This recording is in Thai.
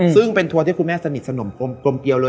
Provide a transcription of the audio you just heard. ซึ่งเป็นทัวร์ที่คุณแม่สนิทสนมกลมเกียวเลย